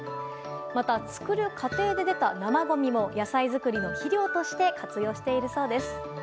また、作る過程で出た生ごみも野菜作りの肥料として活用しているそうです。